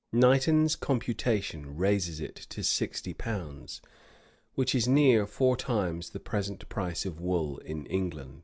Knyghton's computation raises it to sixty pounds, which is near four times the present price of wool in England.